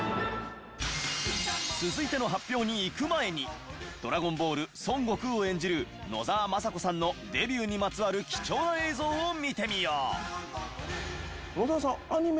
続いての発表にいく前に『ドラゴンボール』孫悟空を演じる野沢雅子さんのデビューにまつわる貴重な映像を見てみよう。